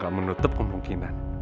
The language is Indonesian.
gak menutup kemungkinan